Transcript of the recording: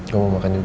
kamu mau makan juga